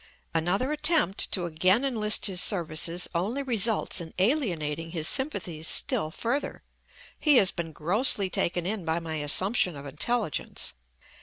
Another attempt to again enlist his services only results in alienating his sympathies still further: he has been grossly taken in by my assumption of intelligence.